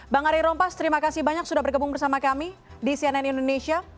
bang ari rompas terima kasih banyak sudah bergabung bersama kami di cnn indonesia